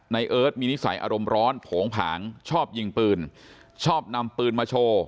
เอิร์ทมีนิสัยอารมณ์ร้อนโผงผางชอบยิงปืนชอบนำปืนมาโชว์